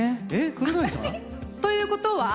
私？ということは？